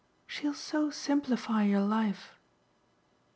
She'll so simplify your life."